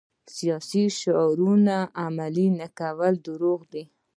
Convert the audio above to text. سیاسي شعارونه عمل نه کول دروغ دي.